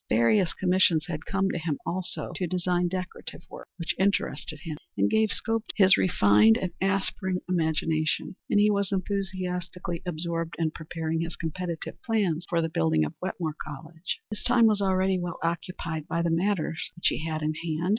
Various commissions had come to him, also, to design decorative work, which interested him and gave scope to his refined and aspiring imagination, and he was enthusiastically absorbed in preparing his competitive plans for the building of Wetmore College. His time was already well occupied by the matters which he had in hand.